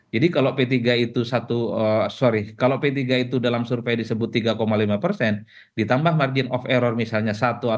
jadi kalau p tiga itu dalam survei disebut tiga lima ditambah mungkin satu lima ya